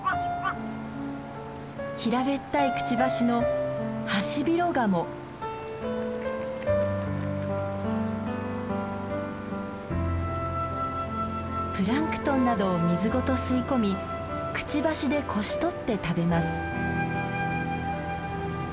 平べったいくちばしのプランクトンなどを水ごと吸い込みくちばしでこし取って食べます。